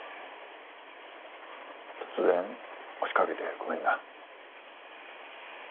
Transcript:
突然押しかけてごめんな。